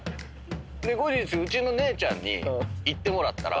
後日うちの姉ちゃんに行ってもらったら。